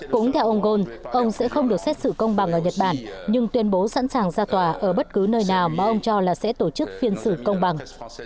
cũng theo ông ghosn ông sẽ không được xét xử công bằng ở nhật bản nhưng tuyên bố sẵn sàng ra tòa ở bất cứ nơi nào mà ông cho là sẽ tổ chức phiên sự công bằng